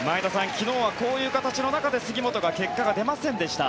昨日はこういう形の中で杉本が結果が出ませんでした。